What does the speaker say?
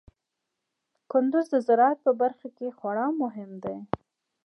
کندز د زراعت په برخه کې خورا مهم دی.